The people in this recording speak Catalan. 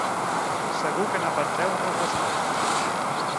Segur que n'aprendreu moltes coses.